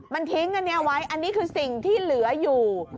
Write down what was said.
มันทิ้งอันนี้ไว้อันนี้คือสิ่งที่เหลืออยู่